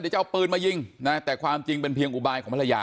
เดี๋ยวจะเอาปืนมายิงนะแต่ความจริงเป็นเพียงอุบายของภรรยา